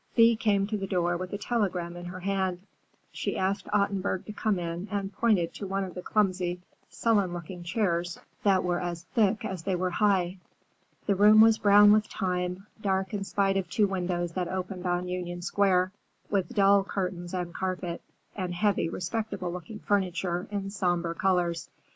Thea came to the door with a telegram in her hand. She asked Ottenburg to come in and pointed to one of the clumsy, sullen looking chairs that were as thick as they were high. The room was brown with time, dark in spite of two windows that opened on Union Square, with dull curtains and carpet, and heavy, respectable looking furniture in somber colors.